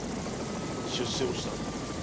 出世をしたんだな？